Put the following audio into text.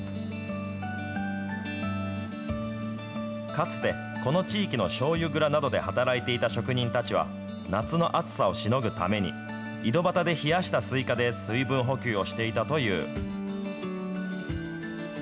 かつて、この地域のしょうゆ蔵などで働いていた職人たちは、夏の暑さをしのぐために、井戸端で冷やしたスイカで水分補給をしていたという。